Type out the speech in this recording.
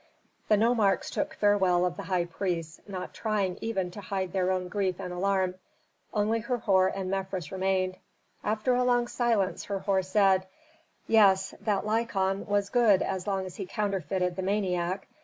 The nomarchs took farewell of the high priests, not trying even to hide their own grief and alarm. Only Herhor and Mefres remained. After a long silence Herhor said, "Yes, that Lykon was good as long as he counterfeited the maniac.